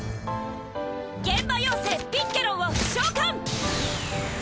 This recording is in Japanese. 幻刃妖精ピッケロンを召喚！